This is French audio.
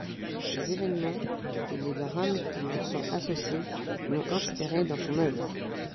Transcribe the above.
Ces événements et les drames qui leur sont associés l'ont inspiré dans son œuvre.